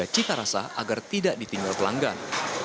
cita rasa agar tidak ditinggal pelanggan